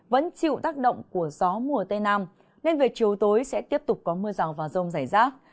vẫn chịu tác động của gió mùa tây nam nên về chiều tối sẽ tiếp tục có mưa rào và rông rải rác